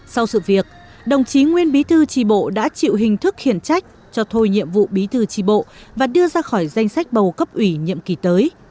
sau sự việc đồng chí nguyên bí thư tri bộ đã chịu hình thức khiển trách cho thôi nhiệm vụ bí thư tri bộ và đưa ra khỏi danh sách bầu cấp ủy nhiệm kỳ tới